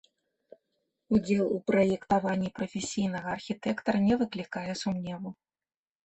Удзел у праектаванні прафесійнага архітэктара не выклікае сумневу.